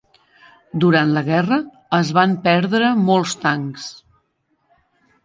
Durant la guerra es van perdre molts tancs.